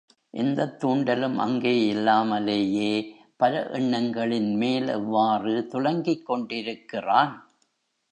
எந்தத் தூண்டலும் அங்கே இல்லாமலேயே, பல எண்ணங்களின் மேல் எவ்வாறு துலங்கிக் கொண்டிருக்கிறான்?